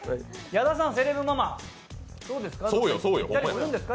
矢田さん、セレブママ、どうですか？